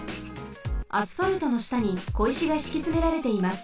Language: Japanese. アスファルトのしたにこいしがしきつめられています。